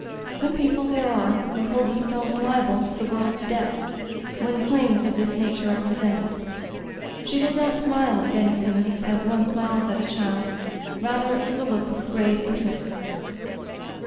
Some people there are who hold themselves liable for die world's debts, when claims of this nature are presented. She did not smile at Benny Sinmions as one smiles at a child; rather it was a look of grave interest.